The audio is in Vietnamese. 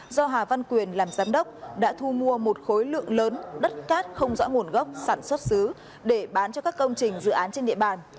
do hà văn quyền làm giám đốc đã thu mua một khối lượng lớn đất cát không rõ nguồn gốc sản xuất xứ để bán cho các công trình dự án trên địa bàn